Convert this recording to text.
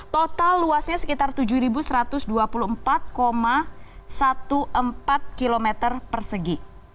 total luasnya sekitar tujuh satu ratus dua puluh empat empat belas km persegi